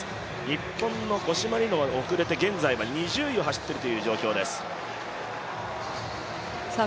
日本の五島莉乃は遅れて、現在２０位を走っているという状況です。